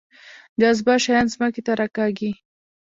جاذبه شیان ځمکې ته راکاږي